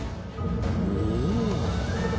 おお。